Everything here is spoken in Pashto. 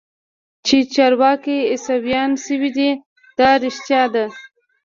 چې چارواکي عيسويان سوي دي دا رښتيا ده.